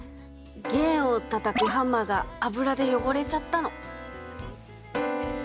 弦をたたくハンマーが油でよごれちゃったの。